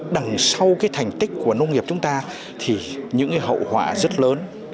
đằng sau cái thành tích của nông nghiệp chúng ta thì những hậu họa rất lớn